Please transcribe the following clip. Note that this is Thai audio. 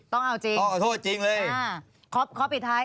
ต้องเอาจริงต้องเอาโทษจริงเลย